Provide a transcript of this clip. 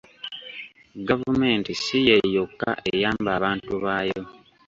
Gavumenti si ye yokka eyamba abantu baayo.